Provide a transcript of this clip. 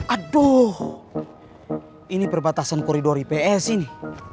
aduh ini perbatasan koridor is ini